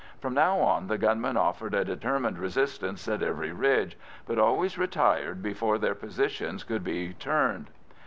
From now on the gunmen offered a determined resistance at every ridge, but always retired before their positions could be turned.